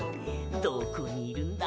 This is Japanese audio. どこにいるんだ？